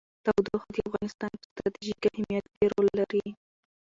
تودوخه د افغانستان په ستراتیژیک اهمیت کې رول لري.